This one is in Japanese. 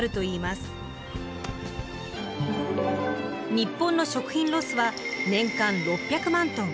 日本の食品ロスは年間６００万ｔ。